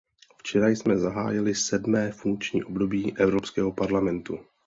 Včera jsme zahájili sedmé funkční období Evropského parlamentu.